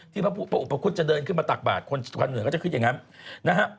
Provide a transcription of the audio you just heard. ที่พระอุปกรุธจะเดินขึ้นมาตักบาตคนเหนือก็จะขึ้นอย่างนั้น